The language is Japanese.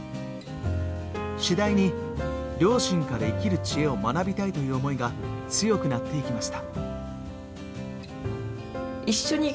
次第に両親から生きる知恵を学びたいという思いが強くなっていきました。